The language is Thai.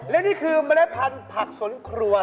และนี่คือเมล็ดพันธุ์ผักสนครัว